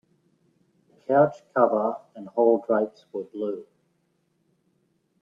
The couch cover and hall drapes were blue.